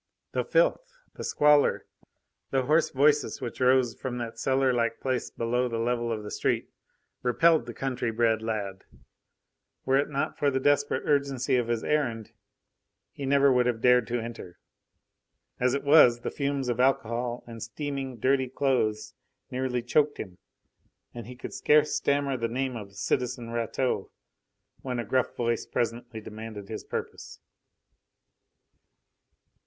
The filth, the squalor, the hoarse voices which rose from that cellar like place below the level of the street, repelled the country bred lad. Were it not for the desperate urgency of his errand he never would have dared to enter. As it was, the fumes of alcohol and steaming, dirty clothes nearly choked him, and he could scarce stammer the name of "citizen Rateau" when a gruff voice presently demanded his purpose.